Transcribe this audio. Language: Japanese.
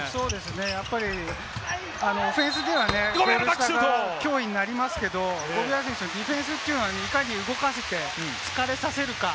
オフェンスではね、脅威になりますけれども、ゴベア選手、ディフェンスっていうのはいかに動かせて疲れさせるか。